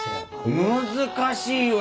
難しいわ。